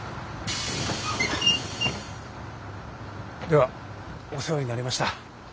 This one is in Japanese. ではお世話になりました。